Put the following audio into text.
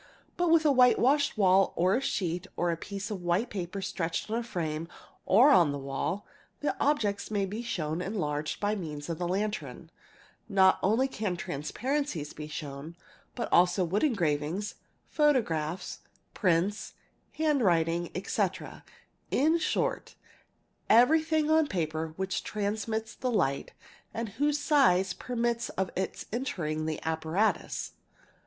But with a whitewashed wall, or a sheet, or piece of white | paper stretched on a frame or on the wall, the objects may be shown — enlarged by means of the lantern ; not only can transparencies be shown but also wood engravings, photographs, prints, handwriting, etc., in short everything on paper which transmits the light and whose size permits of its entering the apparatus.